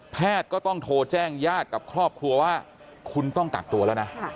แพทย์ก็ต้องโทรแจ้งญาติกับครอบครัวว่าคุณต้องกักตัวแล้วนะ